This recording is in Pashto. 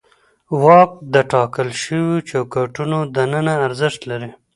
واک د ټاکل شوو چوکاټونو دننه ارزښت لري.